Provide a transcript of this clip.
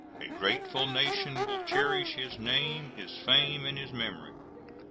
A grateful nation will cherish his name, his fame, and his memory.